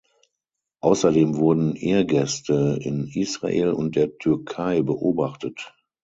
Außerdem wurden Irrgäste in Israel und der Türkei beobachtet.